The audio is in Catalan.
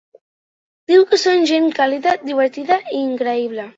Diu que són gent càlida, divertida i increïble.